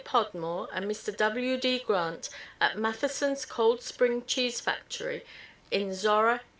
Podmore and Mr. W. D. Grant at Matheson's Cold Spring Cheese Factory in Zorra, 1888.